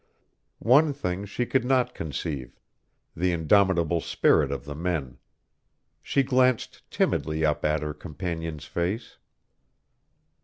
One thing she could not conceive the indomitable spirit of the men. She glanced timidly up at her companion's face.